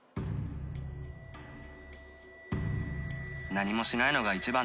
「何もしないのが一番では？」